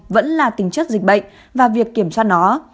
vẫn là tính chất dịch bệnh và việc kiểm tra nó